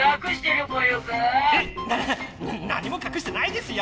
なな何もかくしてないですよ！